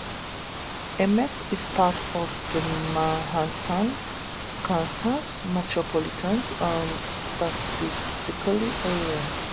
Emmett is part of the Manhattan, Kansas Metropolitan Statistical Area.